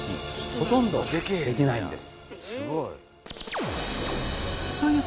ほとんどできないんです。